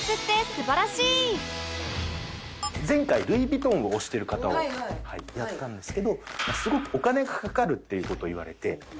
前回ルイ・ヴィトンを推してる方をやったんですけどすごくお金がかかるっていう事を言われて。